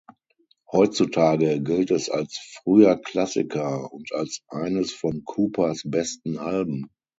Heutzutage gilt es als früher Klassiker und als eines von Coopers besten Alben.